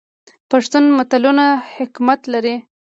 پښتو متلونه حکمت لري